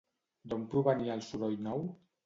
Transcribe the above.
D'on provenia el soroll nou?